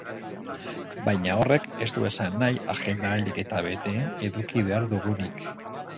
Baina horrek ez du esan nahi agenda ahalik eta beteen eduki behar dugunik.